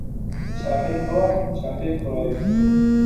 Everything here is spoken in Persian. چرخهی کار، چرخهی کارایی